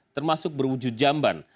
termasuk berwujud jamban